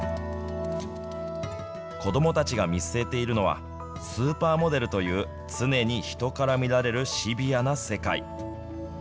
子どもたちが見据えているのは、スーパーモデルという常に人から見られるシビアな世界。